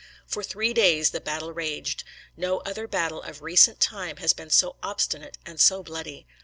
For three days the battle raged. No other battle of recent time has been so obstinate and so bloody.